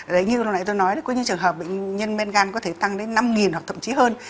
đấy như lúc nãy tôi nói có những trường hợp bệnh nhân men gan có thể tăng đến năm hoặc thậm chí hơn